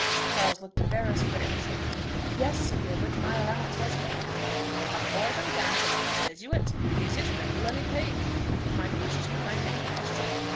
Charles looked embarrassed, but answered "Yes, Sir Gilbert, my allowance was doubled." "Come boy, don't answer like a Jesuit. Is it regularly paid? That was my question, my main question."